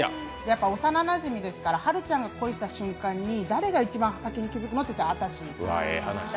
幼なじみですから、はるちゃんが恋した瞬間に誰が最初に気がつくの？っていったら私。